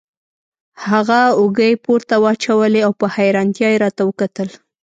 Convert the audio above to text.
هغه اوږې پورته واچولې او په حیرانتیا یې راته وکتل.